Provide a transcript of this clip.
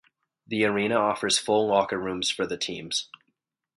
The arena offers full locker rooms for the teams.